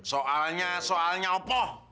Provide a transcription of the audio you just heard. soalnya soalnya apa